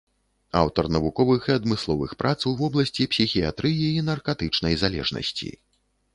Аўтар навуковых і адмысловых прац у вобласці псіхіятрыі і наркатычнай залежнасці.